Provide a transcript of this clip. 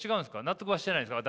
納得はしてないですか？